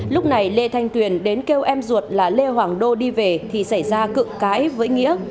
lúc này lê thanh tuyền đến kêu em ruột là lê hoàng đô đi về thì xảy ra cự cãi với nghĩa